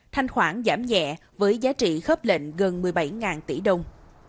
thanh khoản giảm nhẹ với giá trị khớp lệnh gần một mươi bảy tỷ đồng